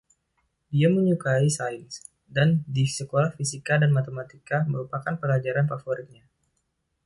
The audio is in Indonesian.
Dia menyukain sains, dan di sekolah fisika dan matematika merupakan pelajaran favoritnya.